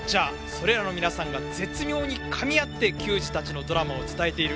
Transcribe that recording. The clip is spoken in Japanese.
それらの皆さんが絶妙にかみ合って球児たちのドラマを伝えている。